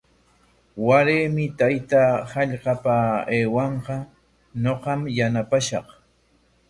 Waraymi taytaa hallqapa aywanqa, ñuqam yanaqashaq.